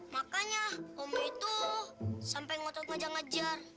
makanya om itu sampai ngotot maja ngejar